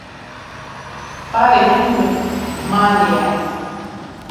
Bavê min li malê ye.